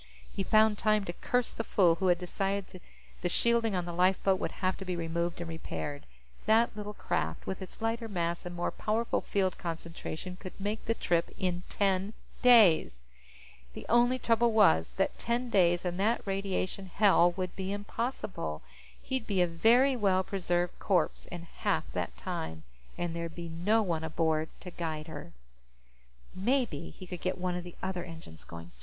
He found time to curse the fool who had decided the shielding on the lifeboat would have to be removed and repaired. That little craft, with its lighter mass and more powerful field concentration, could make the trip in ten days. The only trouble was that ten days in that radiation hell would be impossible. He'd be a very well preserved corpse in half that time, and there'd be no one aboard to guide her. Maybe he could get one of the other engines going!